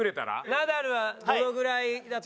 ナダルはどのぐらいだと？